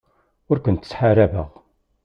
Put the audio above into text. Ur kent-ttḥaṛabeɣ.